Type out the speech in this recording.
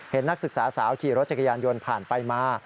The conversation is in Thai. นักศึกษาสาวขี่รถจักรยานยนต์ผ่านไปมา